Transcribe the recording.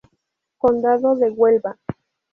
Condado de Huelva.